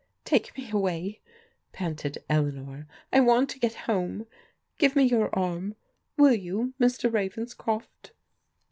" Take me away !" panted Eleanor. I want to get home. Give me your arm, will you, Mr. Ravenscroft?"